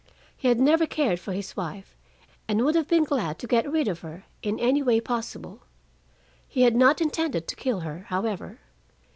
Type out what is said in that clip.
He had never cared for his wife, and would have been glad to get rid of her in any way possible. He had not intended to kill her, however.